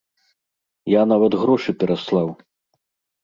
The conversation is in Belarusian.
Я нават грошы пераслаў!